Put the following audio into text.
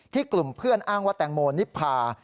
ที่กลุ่มเพื่อนอ้างวะแตงโมนิภา